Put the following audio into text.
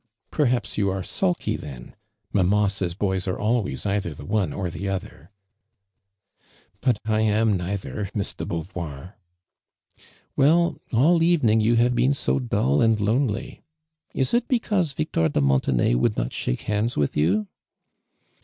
" Perhaps you are sulky then. Mamma says boys are always eitlier the one or tho other." " But I am neither, Miss de Beauvoir!" "Well, all evening you havo been so dull and lonely! Is it because \ ictor de Mon tenay would not shake hands with you